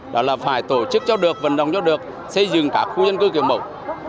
đó là phải tổ chức cho được vận động cho được xây dựng các khu dân cư kiểu mẫu